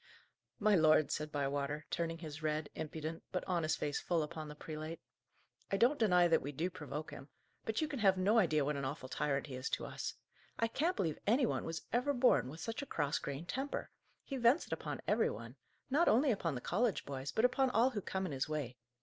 "My lord," said Bywater, turning his red, impudent, but honest face full upon the prelate, "I don't deny that we do provoke him; but you can have no idea what an awful tyrant he is to us. I can't believe any one was ever born with such a cross grained temper. He vents it upon every one: not only upon the college boys, but upon all who come in his way.